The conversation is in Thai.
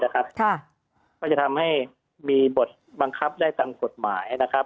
ก็จะทำให้มีบทบังคับได้ตามกฎหมายนะครับ